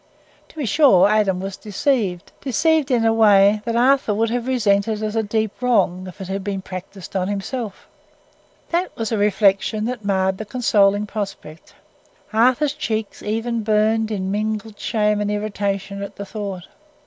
To be sure, Adam was deceived—deceived in a way that Arthur would have resented as a deep wrong if it had been practised on himself. That was a reflection that marred the consoling prospect. Arthur's cheeks even burned in mingled shame and irritation at the thought.